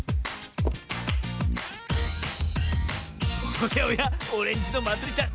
おやおやオレンジのまつりちゃん